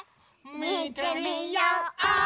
みてみよう！